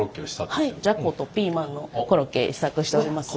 はいじゃことピーマンのコロッケ試作しております。